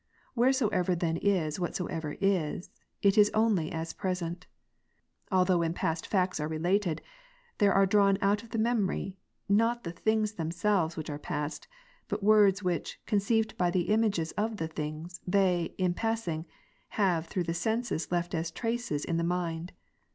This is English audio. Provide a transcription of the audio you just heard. Wheresoever then is whatsoever is, it is only as present. Although when past facts are related, there are drawn out of the memory, not the things themselves which are past, but words which, conceived by the images of the things, they, in passing, have through the senses left as traces in the mind.